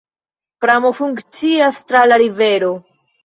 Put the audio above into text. Pramo funkcias tra la rivero.